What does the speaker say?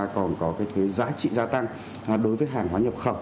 còn có cái thuế giá trị gia tăng đối với hàng hóa nhập khẩu